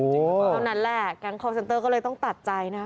เพราะฉะนั้นแหละกางคอร์เซ็นเตอร์ก็เลยต้องตัดใจนะ